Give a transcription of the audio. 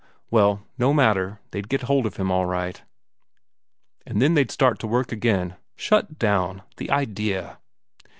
Well, no matter they'd get hold of him all right. And then they'd start to work again. Shut down? The idea!